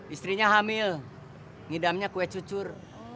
istrinya hamil ngidamnya kue cucur